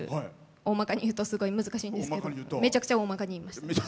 おおまかに言うとすごい難しいんですけどめちゃくちゃ大まかに言いました。